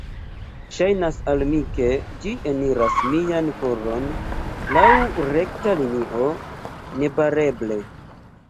Ŝajnas al mi ke ĝi eniras mian koron laŭ rekta linio, nebareble.